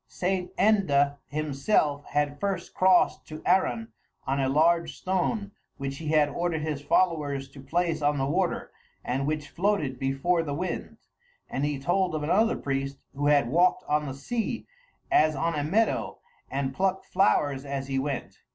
St. Enda himself had first crossed to Arran on a large stone which he had ordered his followers to place on the water and which floated before the wind; and he told of another priest who had walked on the sea as on a meadow and plucked flowers as he went.